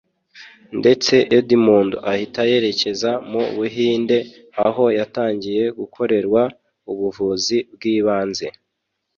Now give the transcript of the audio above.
ndetse Edmund ahita yerekeza mu Buhinde aho yatangiye gukorerwa ubuvuzi bw’ibanze